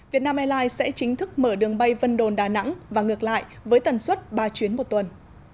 việt nam airlines sẽ chính thức mở đường bay vân đồn đà nẵng và ngược lại với tần suất ba chuyến một tuần